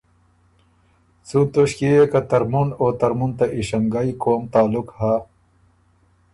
څون توݭکيې يې که ترمُن او ترمُن ته ایݭنګئ قوم تعلق هۀ،